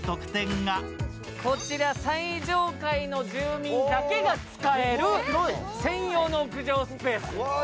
こちら最上階の住民だけが使える専用の屋上スペース。